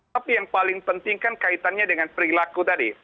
tapi yang paling penting kan kaitannya dengan perilaku tadi